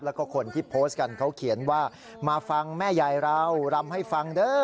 แล้วก็คนที่โพสต์กันเขาเขียนว่ามาฟังแม่ยายเรารำให้ฟังเด้อ